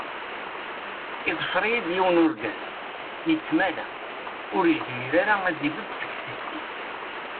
Iḍfer-iyi-d yiwen urgaz, yettmala, ur yezmir ara ad ibedd seg tissit.